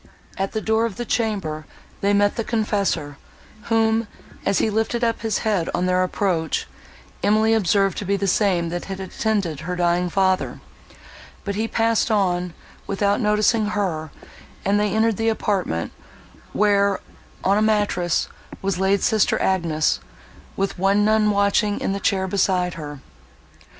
At the door of the chamber they met the confessor, whom, as he lifted up his head on their approach, Emily observed to be the same that had attended her dying father; but he passed on, without noticing her, and they entered the apartment, where, on a mattress, was laid sister Agnes, with one nun watching in the chair beside her.